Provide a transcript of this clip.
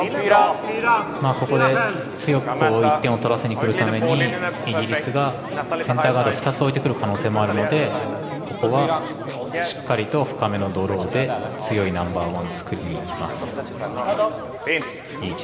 ここで、強く１点を取らせにくるためにイギリスがセンターガード２つ置いてくる可能性もあるのでここはしっかりと深めのドローで強いナンバーワンを作りにいきます。